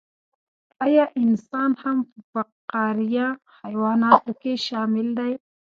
ایا انسان هم په فقاریه حیواناتو کې شامل دی